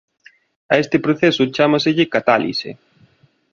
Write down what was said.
A este proceso chámaselle catálise.